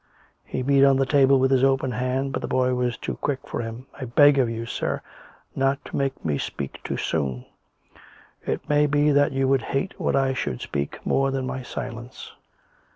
He beat on the table with his open hand; but the boy was too quick for him. " I beg of you, sir, not to make me speak too soon. It may be that you would hate that I should speak more than my silence."